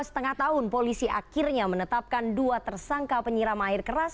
tiga setengah tahun polisi akhirnya menetapkan dua tersangka penyiram air keras